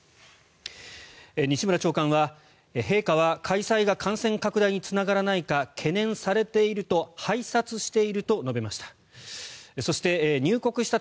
西村長官は陛下は開催が感染拡大につながらないか懸念されていると拝察していると述べられました。